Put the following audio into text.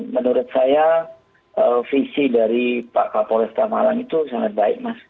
menurut saya visi dari pak kapolresta malang itu sangat baik mas